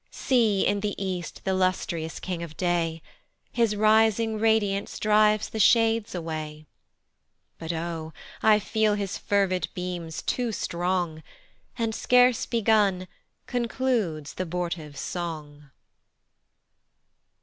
See in the east th' illustrious king of day! His rising radiance drives the shades away But Oh! I feel his fervid beams too strong, And scarce begun, concludes th' abortive song.